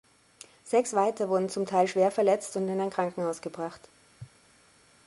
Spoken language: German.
Sechs weiter wurden zum Teil schwer verletzt und in ein Krankenhaus gebracht.